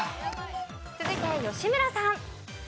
続いて吉村さん。